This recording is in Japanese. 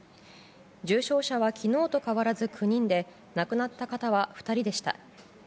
重症者は昨日と変わらず９人で亡くなった方は２人でした。